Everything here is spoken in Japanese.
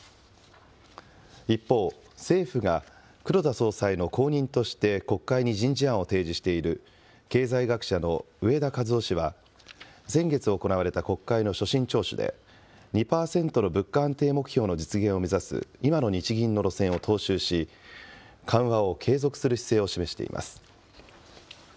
一方、政府が黒田総裁の後任として国会に人事案を提示している経済学者の植田和男氏は、先月行われた国会の所信聴取で、２％の物価安定目標の実現を目指す今の日銀の路線を踏襲し、緩和を継続する姿勢を示しています。